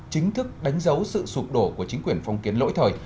chính thức đánh dấu sự sụp đổ của chính quyền phong kiến lỗi thời